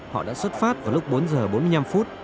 họ đã xuất phát vào lúc bốn giờ bốn mươi năm phút